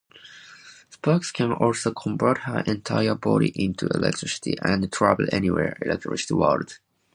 Sparks can also convert her entire body into electricity and travel anywhere electricity would.